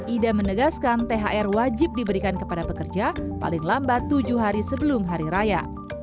ida menegaskan thr wajib diberikan kepada pekerja paling lambat tujuh hari sebelum hari raya